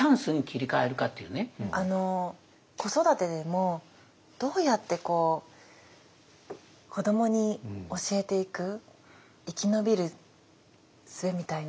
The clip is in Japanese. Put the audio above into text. あの子育てでもどうやってこう子どもに教えていく生き延びるすべみたいな。